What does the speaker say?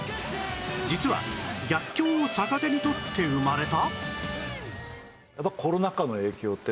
実は逆境を逆手にとって生まれた！？